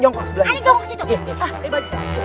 mendingan kalian nyerah deh